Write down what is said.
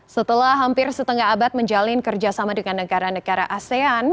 setelah hampir setengah abad menjalin kerjasama dengan negara negara asean